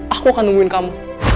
aku akan nungguin kamu